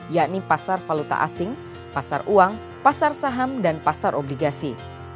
yakni pasar valuta asing pasar uang pasar saham dan pasar obligasi